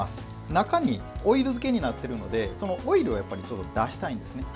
中にオイル漬けになってるのでそのオイルをちょっと出したいんですね。